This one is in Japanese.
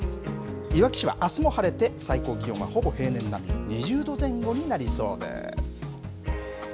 いわき市はあすも晴れて、最高気温はほぼ平年並み、２０度前後になりそうです。